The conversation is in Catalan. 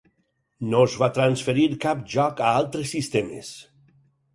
No es va transferir cap joc a altres sistemes.